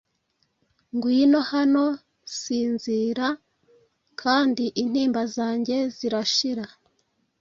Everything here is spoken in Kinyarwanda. Ngwino hano, Sinzira, Kandi intimba zanjye zirashira: